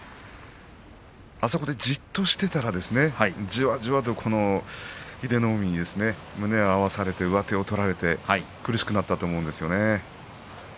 あそこでじっとしていたらじわじわと英乃海に胸を合わされて上手を取られて苦しくなったと思うんですよね。